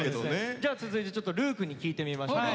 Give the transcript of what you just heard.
じゃあ続いてちょっと琉巧に聞いてみましょうか。